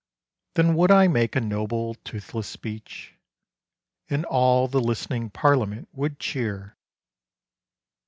Then would I make a noble toothless speech, And all the list'ning parliament would cheer.